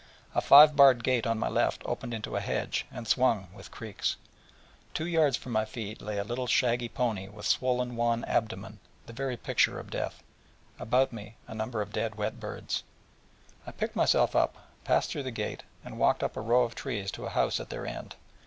A five barred gate on my left opened into a hedge, and swung with creaks: two yards from my feet lay a little shaggy pony with swollen wan abdomen, the very picture of death, and also about me a number of dead wet birds. I picked myself up, passed through the gate, and walked up a row of trees to a house at their end.